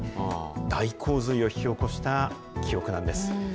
大洪水を引き起こした記憶なんです。